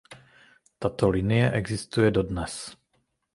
Tato linie existuje dodnes.